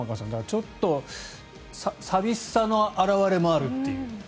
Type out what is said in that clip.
ちょっと寂しさの表れもあるという。